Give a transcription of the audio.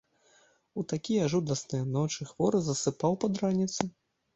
У такія жудасныя ночы хворы засыпаў пад раніцу.